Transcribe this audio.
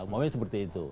maksudnya seperti itu